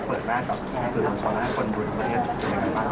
พร้อมแล้วเลยค่ะ